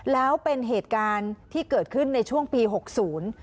แล้วเป็นเหตุการณ์ที่เกิดขึ้นในช่วงปีหกศูนย์